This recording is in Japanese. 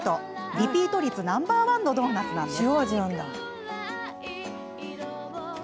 リピート率ナンバー１のドーナツです。